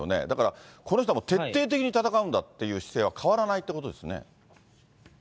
だから、この人はもう、徹底的に戦うんだっていう姿勢は変わらないっていうことですね。